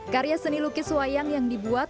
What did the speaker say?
karya seni lukis wayang yang dibuat